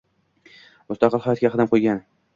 Mustaqil hayotga qadam qo‘ygan.